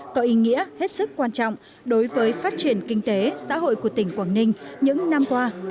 có ý nghĩa hết sức quan trọng đối với phát triển kinh tế xã hội của tỉnh quảng ninh những năm qua